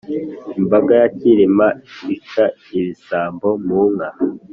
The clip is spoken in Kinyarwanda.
imbaga ya cyilima ica ibisambo mu nka.